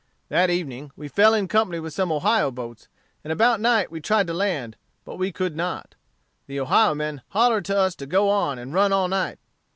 "That evening we fell in company with some Ohio boats, and about night we tried to land, but we could not. The Ohio men hollered to us to go on and run all night.